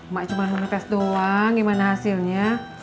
mak cuma menetes doang gimana hasilnya